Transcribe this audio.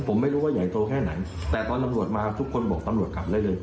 ผมไม่รู้ว่าใหญ่โตแค่ไหนแต่ตอนตำรวจมาทุกคนบอกตำรวจกลับได้เลย